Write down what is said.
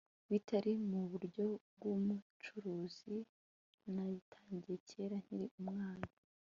bitari mu buryo bw'ubucuruzi nabitangiye kera nkiri umwana